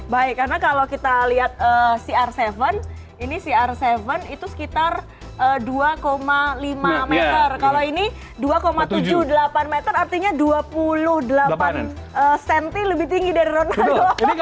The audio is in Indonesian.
baik karena kalau kita lihat cr tujuh ini cr tujuh itu sekitar dua lima meter kalau ini dua tujuh puluh delapan meter artinya dua puluh delapan cm lebih tinggi dari ronaldo